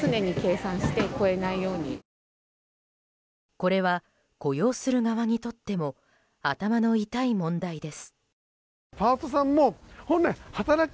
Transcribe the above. これは雇用する側にとっても頭の痛い問題です。